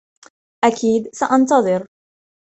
أكيد سأنتظر.